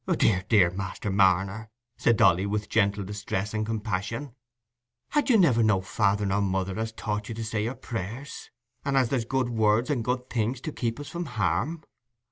"Dear, dear! Master Marner," said Dolly, with gentle distress and compassion. "Had you never no father nor mother as taught you to say your prayers, and as there's good words and good things to keep us from harm?"